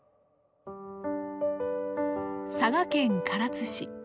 佐賀県唐津市。